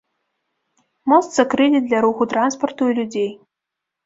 Мост закрылі для руху транспарту і людзей.